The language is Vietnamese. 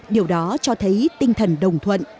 điều đó cho thấy tinh thần đồng thuận